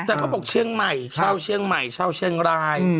แต่เขาบอกเชียงใหม่ชาวเชียงใหม่ชาวเชียงราย